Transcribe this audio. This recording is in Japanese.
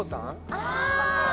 ああ！